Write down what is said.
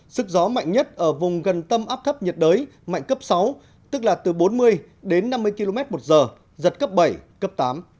sức gió mạnh nhất ở vùng gần tâm áp thấp nhiệt đới mạnh cấp sáu tức là từ bốn mươi đến năm mươi km một giờ giật cấp bảy cấp tám